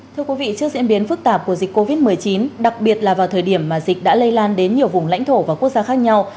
thưa quý vị trước diễn biến phức tạp của dịch covid một mươi chín đặc biệt là vào thời điểm mà dịch đã lây lan đến nhiều vùng lãnh thổ và quốc gia khác nhau